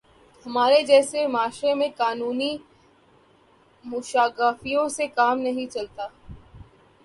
ہمارے جیسے معاشرے میں قانونی موشگافیوں سے کام نہیں چلتا۔